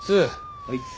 はい。